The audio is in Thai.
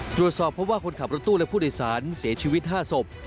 ตรวจสอบเพราะว่าคนขับรถตู้และผู้โดยสารเสียชีวิต๕ศพ